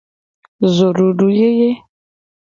Zodudu yeye.